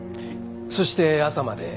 そして朝まで。